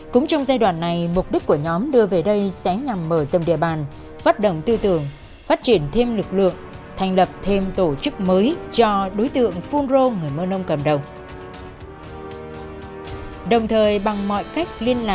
cũng trong giai đoạn này mục đích của nhóm đưa về đây sẽ nhằm mở rộng địa bàn phát động tư tưởng phát triển thêm lực lượng thành lập thêm tổ chức mới cho đối tượng phunro người mơ nông cầm đồng